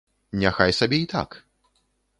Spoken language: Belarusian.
Няхай сабе і так!